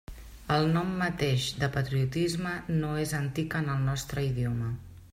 El nom mateix de patriotisme no és antic en el nostre idioma.